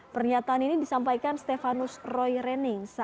pernyataan ini disampaikan stefanus roy rening